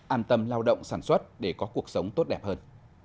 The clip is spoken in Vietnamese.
an tâm lao động sản xuất để có cuộc sống tốt đẹp hơn